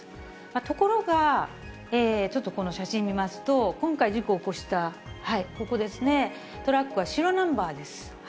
ところが、ちょっとこの写真見ますと、今回、事故起こした、ここですね、トラックは白ナンバーです。